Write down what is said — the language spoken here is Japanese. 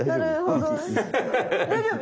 大丈夫？